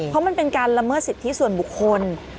เพราะมันเป็นการละเมิดสิทธิส่วนบุคคล